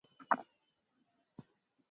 Zamani njo akukuwaka iyo haki ya wanawake